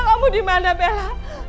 bella kamu dimana bella